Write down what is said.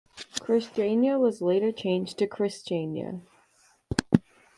"Christiania" was later changed to "Kristiania".